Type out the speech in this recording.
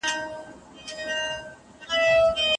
د خان ماینې ته هر څوک بي بي وایي.